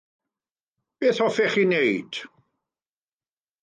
Beth hoffech chi ei wneud?